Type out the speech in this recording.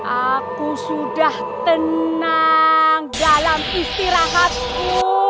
aku sudah tenang dalam istirahatku